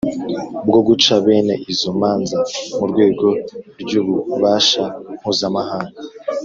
bwo guca bene izo manza mu rwego ry'ububasha mpuzamahanga.